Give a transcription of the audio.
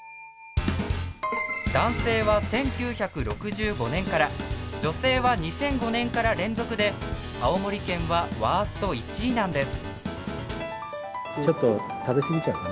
男性は１９６５年から女性は２００５年から連続で青森県はワースト１位なんです。